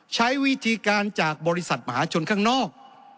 ใช้วิธีการจากบริษัทมหาชนข้างนอก